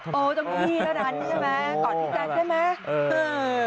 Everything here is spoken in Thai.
โอ้ต้องมีพี่ร้านใช่ไหมกอดพี่แจ๊คได้ไหม